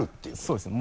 そうですね。